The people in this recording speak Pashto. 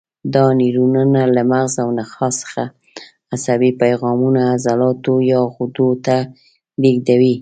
دا نیورونونه له مغز او نخاع څخه عصبي پیغامونه عضلاتو یا غدو ته لېږدوي.